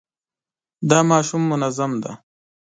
دا ماشوم منظم دی.